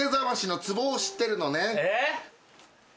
えっ！？